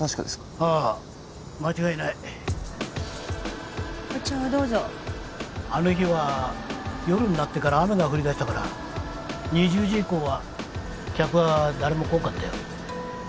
ああ間違いないお茶をどうぞあの日は夜になってから雨が降り出したから２０時以降は客は誰も来んかったよ